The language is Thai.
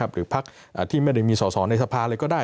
หรือพักที่ไม่ได้มีสอสอในสภาเลยก็ได้